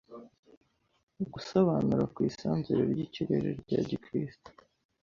gusobanura ku isanzure ry'ikirere rya gikristo.